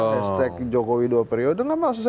hashtag jokowi dua periode